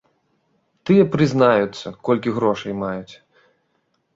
Тыя прызнаюцца, колькі грошай маюць.